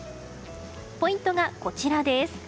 ポイントがこちらです。